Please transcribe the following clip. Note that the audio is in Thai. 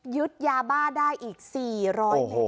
ยึดยาบ้าได้อีก๔๐๐เมตร